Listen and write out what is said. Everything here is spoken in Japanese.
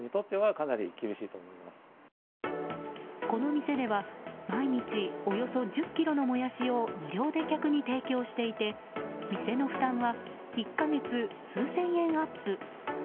この店では毎日およそ１０ｋｇのモヤシを無料で客に提供していて店の負担は１か月数千円アップ。